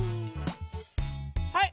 はい！